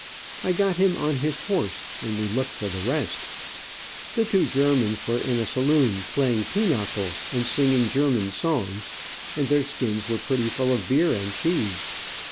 I got him on his horse, and we looked for the rest. The two Germans were in a saloon playing pee nuckel, and singing German songs, and their skins were pretty full of beer and cheese.